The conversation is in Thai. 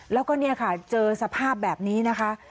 แล้วก็เนี่ยค่ะเจอสภาพแบบนี้นะคะ